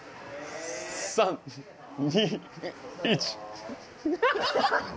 ３・２・１。